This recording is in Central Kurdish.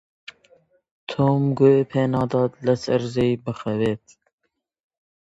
تۆم گوێی پێ نادات لەسەر زەوی بخەوێت.